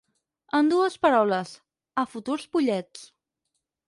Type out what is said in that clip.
En dues paraules, a futurs pollets.